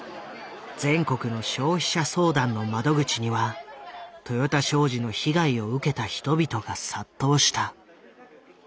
全国の消費者相談の窓口には豊田商事の被害を受けた人々が殺到した。